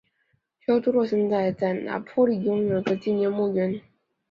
提欧多洛现在在拿坡里拥有一个纪念墓园。